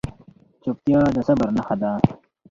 چپتیا، د صبر نښه ده.